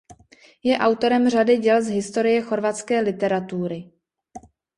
Je autorem řady děl z historie chorvatské literatury.